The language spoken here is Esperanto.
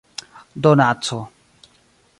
donaco